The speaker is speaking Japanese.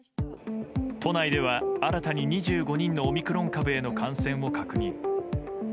都内では新たに２５人のオミクロン株への感染を確認。